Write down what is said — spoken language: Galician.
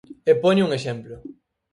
E poño un exemplo.